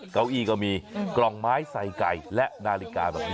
เก้าอี้ก็มีกล่องไม้ใส่ไก่และนาฬิกาแบบนี้